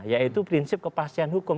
yaitu prinsip kepastian hukum